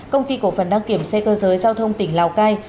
công ty cổ phần đăng kiểm xe cơ giới giao thông tỉnh lào cai